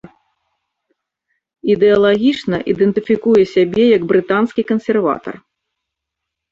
Ідэалагічна ідэнтыфікуе сябе як брытанскі кансерватар.